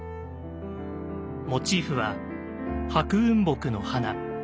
モチーフは白雲木の花。